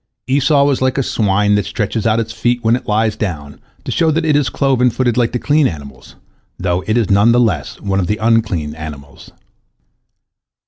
Esau was like a swine that stretches out its feet when it lies down, to show that it is cloven footed like the clean animals, though it is none the less one of the unclean animals.